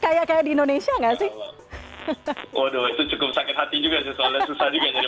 kayak kayak di indonesia enggak sih waduh itu cukup sakit hati juga sesuai susah juga